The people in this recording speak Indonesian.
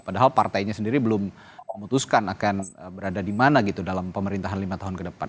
padahal partainya sendiri belum memutuskan akan berada di mana gitu dalam pemerintahan lima tahun ke depan